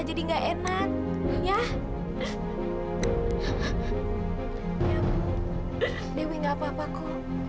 ibu ibu enggak apa apaku